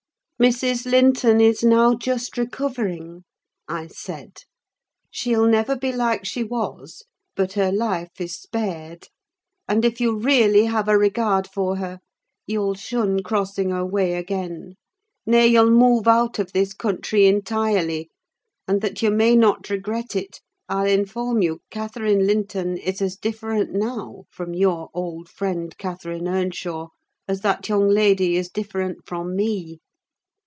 "Mrs. Linton is now just recovering," I said; "she'll never be like she was, but her life is spared; and if you really have a regard for her, you'll shun crossing her way again: nay, you'll move out of this country entirely; and that you may not regret it, I'll inform you Catherine Linton is as different now from your old friend Catherine Earnshaw, as that young lady is different from me.